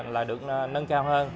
là được nâng cao hơn